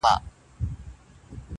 که زر کلونه ژوند هم ولرمه,